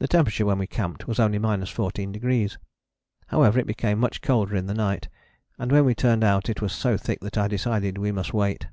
The temperature when we camped was only 14°. However it became much colder in the night, and when we turned out it was so thick that I decided we must wait.